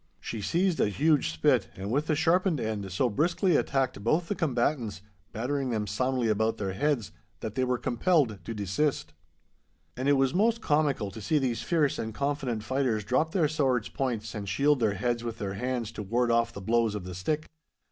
She seized a huge spit, and with the sharpened end so briskly attacked both the combatants, battering them soundly about their heads, that they were compelled to desist. And it was most comical to see these fierce and confident fighters drop their swords' points and shield their heads with their hands to ward off the blows of the stick.